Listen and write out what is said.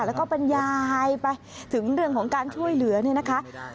แล้วก็บรรยายไปถึงเรื่องของการช่วยเหลือเนี่ยนะคะ